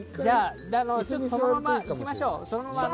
そのまま行きましょう。